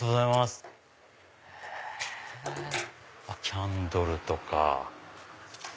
キャンドルとか。